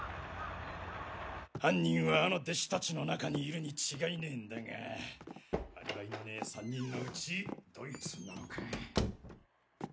犯人はあの弟子たちの中にいるに違いねえんだがアリバイのねえ３人のうちどいつなのか。